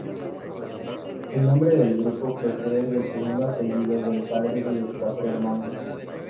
El nombre del grupo procede del segundo apellido del padre de los cuatro hermanos.